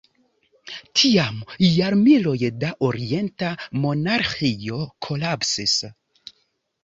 Tiam jarmiloj da orienta monarĥio kolapsis.